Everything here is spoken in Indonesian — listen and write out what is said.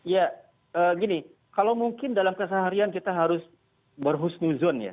ya gini kalau mungkin dalam keseharian kita harus berhusnuzon ya